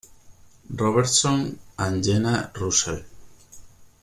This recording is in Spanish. Robertson and Jenna Russell.